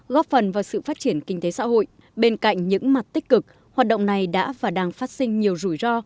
góp phần vào sự phát triển kinh tế xã hội bên cạnh những mặt tích cực hoạt động này đã và đang phát sinh nhiều rủi ro